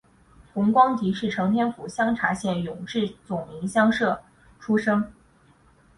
洪光迪是承天府香茶县永治总明乡社出生。